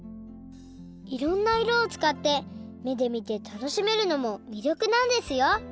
いろんないろをつかってめでみて楽しめるのもみりょくなんですよ